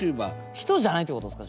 人じゃないってことですか？